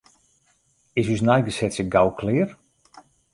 Is ús neigesetsje gau klear?